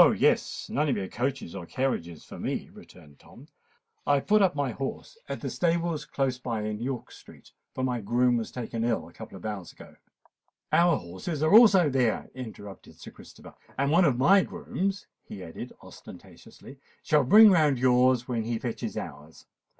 yes—none of your coaches or carriages for me," returned Tom. "I have put up my horse at the stables close by in York Street; for my groom was taken ill a couple of hours ago——" "Our horses are also there," interrupted Sir Christopher; "and one of my grooms," he added ostentatiously, "shall bring round yours when he fetches ours.